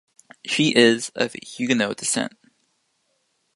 She is of Huguenot descent.